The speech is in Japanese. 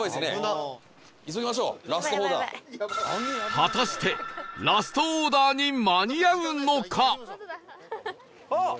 果たしてラストオーダーに間に合うのか？